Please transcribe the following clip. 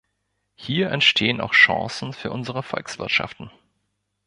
Hier entstehen auch Chancen für unsere Volkswirtschaften.